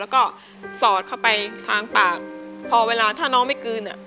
แล้วก็สอดเข้าไปทางปากพอเวลาถ้าน้องไม่กลืนอ่ะ